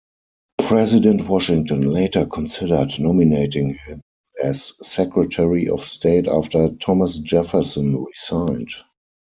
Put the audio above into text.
President Washington later considered nominating him as Secretary of State, after Thomas Jefferson resigned.